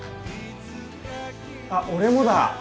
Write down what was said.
あっ俺もだ。